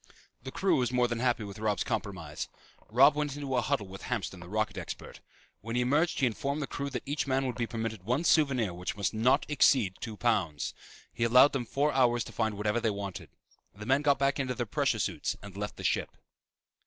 The crew was more than happy with Robb's compromise. Robb went into a huddle with Hamston, the rocket expert. When he emerged he informed the crew that each man would be permitted one souvenir which must not exceed two pounds. He allowed them four hours to find whatever they wanted. The men got back into their pressure suits and left the ship.